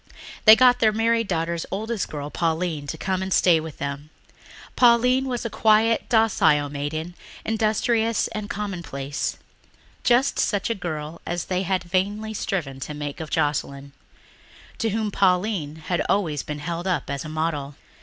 They got their married daughter's oldest girl, Pauline, to come and stay with them. Pauline was a quiet, docile maiden, industrious and commonplace just such a girl as they had vainly striven to make of Joscelyn, to whom Pauline had always been held up as a model.